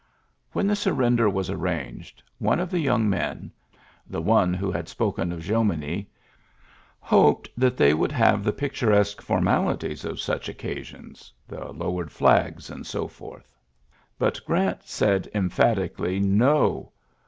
When the surrender was arranged, one of the young men — the one who had spoken of Jomini — hoped that they would have the picturesque formalities of such occasions, the lowered flags and so forth. But Grant said, emphatically, no.